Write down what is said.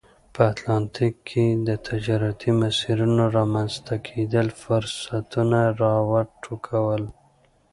په اتلانتیک کې د تجارتي مسیرونو رامنځته کېدل فرصتونه را وټوکول.